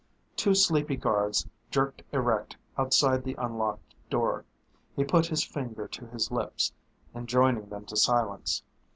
Two sleepy guards jerked erect outside the unlocked door. He put his finger to his lips, enjoining them to silence.